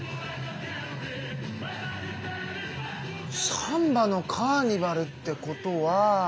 サンバのカーニバルってことは。